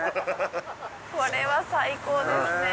これは最高ですね